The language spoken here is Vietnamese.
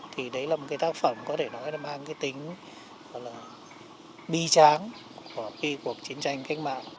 thì đấy là một cái tác phẩm có thể nói là mang cái tính bi tráng của cuộc chiến tranh cách mạng